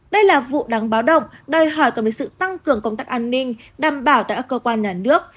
đây là vụ đáng báo động đòi hỏi cần được sự tăng cường công tác an ninh đảm bảo tại các cơ quan nhà nước